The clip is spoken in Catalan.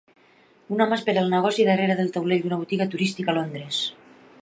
Un home espera el negoci darrere del taulell d'una botiga turística a Londres